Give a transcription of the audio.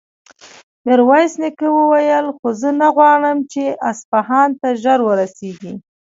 ميرويس نيکه وويل: خو زه نه غواړم چې اصفهان ته ژر ورسېږي.